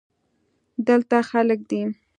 دلته خلگ دی.